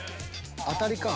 当たりか。